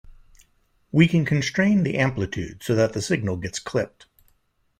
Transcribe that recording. We can constrain the amplitude so that the signal gets clipped.